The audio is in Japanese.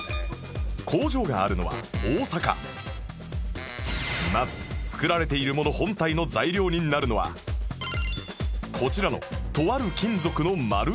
工場があるのはまず作られているもの本体の材料になるのはこちらのとある金属の丸い板